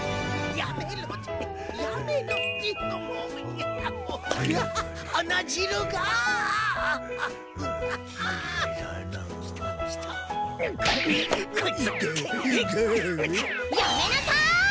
やめなさい！